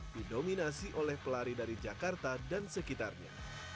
didominasi oleh pelari dari jakarta dan sekitarnya